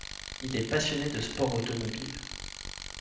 Il est passionné de sport automobile.